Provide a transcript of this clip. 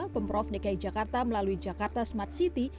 pemprov dki jakarta melalui jakarta smart city